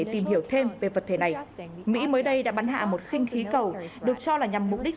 để tìm hiểu thêm về vật thể này mỹ mới đây đã bắn hạ một khinh khí cầu được cho là nhằm mục đích